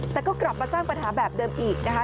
แต่ก็กลับมาสร้างปัญหาแบบเดิมอีกนะคะ